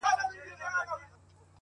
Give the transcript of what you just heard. چي روږدي سوی له کوم وخته په گيلاس يمه,